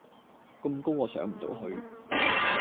咁高我上唔到去